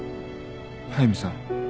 速見さん